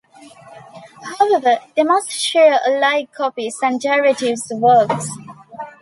However, they must share-alike copies and derivative works.